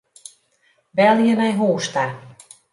Belje nei hûs ta.